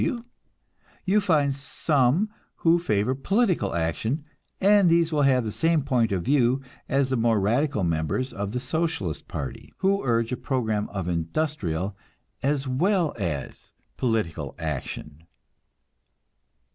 W. W., you find some who favor political action, and these will have the same point of view as the more radical members of the Socialist party, who urge a program of industrial as well as political action.